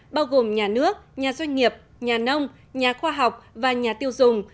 bao gồm nhà nước nhà doanh nghiệp nhà nông nhà khoa học và nhà tiêu dùng